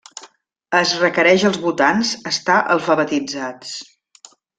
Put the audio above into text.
Es requereix als votants estar alfabetitzats.